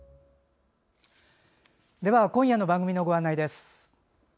今夜の番組のご案内です。